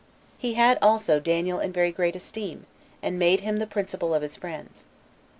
He had also Daniel in very great esteem, and made him the principal of his friends.